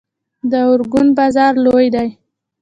د ارګون بازار لوی دی